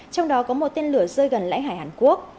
trong đó có một tên lửa rơi gần lãnh hải hàn quốc